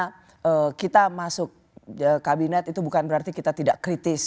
karena kita masuk kabinet itu bukan berarti kita tidak kritis